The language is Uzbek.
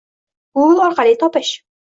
Google orqali pul topish